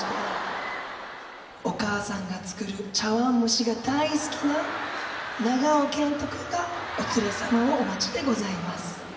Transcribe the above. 「お母さんが作る茶わん蒸しが大好きな長尾謙杜くんがお連れ様をお待ちでございます」。